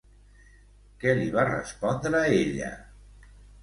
Què li va respondre ella?